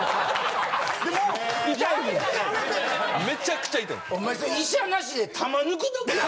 めちゃくちゃ痛い。